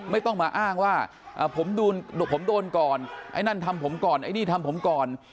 ไม่ต้องมาอ้างว่าผมโดนก่อนไอ้นั่นทำผมก่อนไอ้นี่ทำผมก่อน